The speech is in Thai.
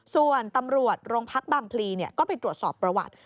ส่วนตำรวจโรงพักบางพลีก็ไปตรวจสอบประวัติ